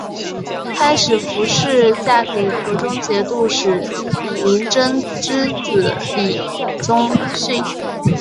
开始符氏嫁给河中节度使李守贞之子李崇训。